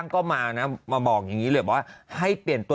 เขามีโง่แหละแก